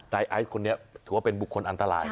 ไอซ์คนนี้ถือว่าเป็นบุคคลอันตราย